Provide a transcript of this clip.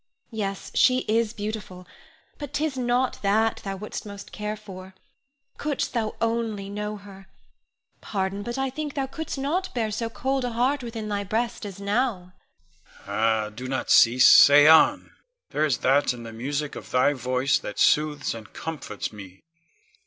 Yes, she is beautiful; but 'tis not that thou wouldst most care for. Couldst thou only know her! pardon, but I think thou couldst not bear so cold a heart within thy breast as now. Con. Ah, do not cease! say on! There is that in the music of thy voice that soothes and comforts me.